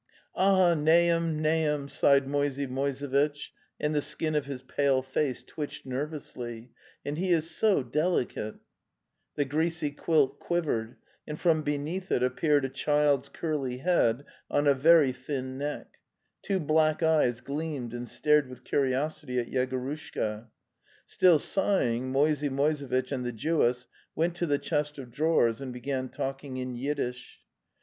"Ah, Nahum, Nahum!"' sighed Moisey Moise vitch, andl the skin of his pale face twitched nery ously. '' And he is so delicate." The greasy quilt quivered, and from beneath it appeared a child's curly head on a very thin neck; two black eyes gleamed and stared with curiosity at Yegorushka. Still sighing, Moisey Moisevitch and the Jewess went to the chest of drawers and began talking in Yiddish.